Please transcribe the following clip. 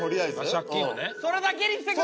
借金をね。